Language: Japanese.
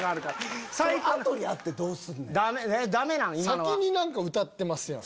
先に何か歌ってますやん。